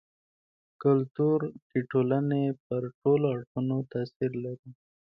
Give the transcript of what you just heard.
کلتور د ټولني پر ټولو اړخونو تاثير لري.